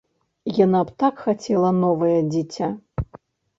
Яна б так хацела новае дзіця.